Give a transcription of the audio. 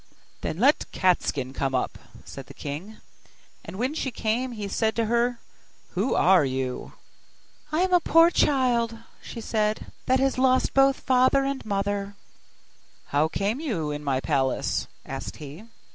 'Then let Cat skin come up,' said the king: and when she came he said to her, 'Who are you?' 'I am a poor child,' said she, 'that has lost both father and mother.' 'How came you in my palace?' asked he.